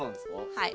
はい。